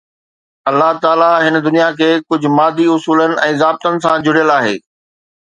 الله تعاليٰ هن دنيا کي ڪجهه مادي اصولن ۽ ضابطن سان جڙيل آهي